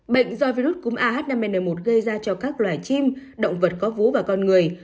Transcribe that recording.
bệnh do virus cúm ah năm n một gây ra cho các loài chim động vật có vú và con người